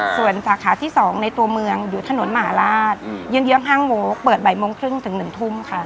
ส่วนสาขาที่๒ในตัวเมืองหรือถนนมหาราชเย็น๕โมงเปิดบ่ายโมงครึ่งถึง๑ทุ่มค่ะ